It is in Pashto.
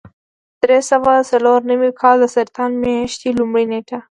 د درې سوه څلور نوي کال د سرطان میاشتې لومړۍ نېټه.